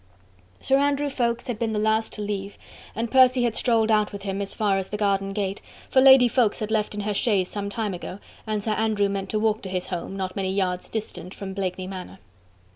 Sir Andrew Ffoulkes had been the last to leave and Percy had strolled out with him as far as the garden gate, for Lady Ffoulkes had left in her chaise some time ago, and Sir Andrew meant to walk to his home, not many yards distant from Blakeney Manor.